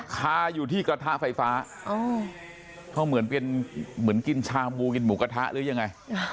คาอยู่ที่กระทะไฟฟ้าเพราะเหมือนเป็นเหมือนกินชาบูกินหมูกระทะหรือยังไง